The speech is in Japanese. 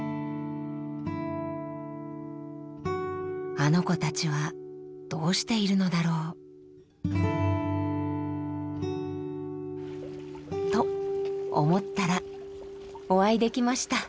あの子たちはどうしているのだろう。と思ったらお会いできました。